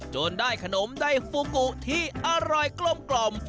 จนได้ขนมใดฟูกุที่อร่อยกลม